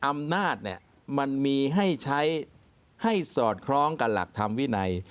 อำนาจมันมีให้ใช้ให้สอดคล้องกับหลักธรรมวินัย